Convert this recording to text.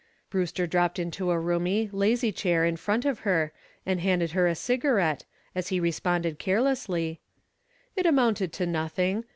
Brewster dropped into a roomy, lazy chair in front of her and handed her a cigarette, as he responded carelessly: "It amounted to nothing.